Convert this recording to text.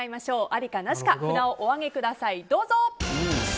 ありかなしか札をお上げください。